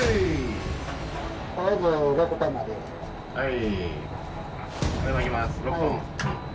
はい。